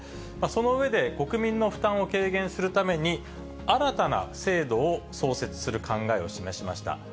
その上で、国民の負担を軽減するために、新たな制度を創設する考えを示しました。